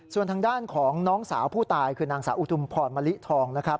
ส่วนทางด้านของน้องสาวผู้ตายคือนางสาวอุทุมพรมะลิทองนะครับ